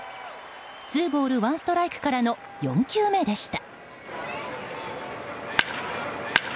ツーボールワンストライクからの４球目でした。